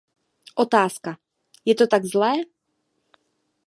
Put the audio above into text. Otázka: Je to tak zlé?